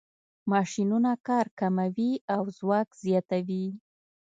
ماشینونه کار کموي او ځواک زیاتوي.